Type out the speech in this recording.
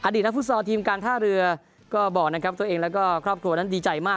ดีตนักฟุตซอลทีมการท่าเรือก็บอกนะครับตัวเองแล้วก็ครอบครัวนั้นดีใจมาก